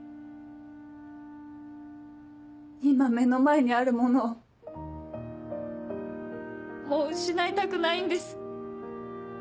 今目の前にあるものをもう失いたくないんです。